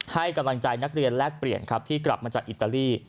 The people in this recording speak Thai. ให้กำลังใจนักเรียนแลกเปลี่ยนครับที่กลับมาจากอิตาลี